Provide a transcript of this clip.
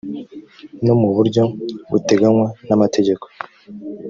no mu buryo buteganywa n amategeko